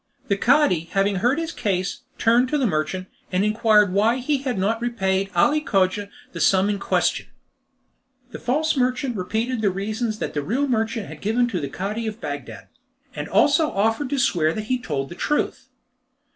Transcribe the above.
The Cadi having heard his case, turned to the merchant, and inquired why he had not repaid Ali Cogia the sum in question. The false merchant repeated the reasons that the real merchant had given to the Cadi of Bagdad, and also offered to swear that he had told the truth.